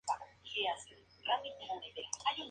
Productions, Hit Entertainment y Jim Henson Productions.